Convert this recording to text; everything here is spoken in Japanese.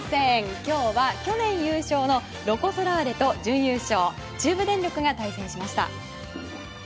今日は、去年優勝のロコ・ソラーレと準優勝、中部電力が対戦しました。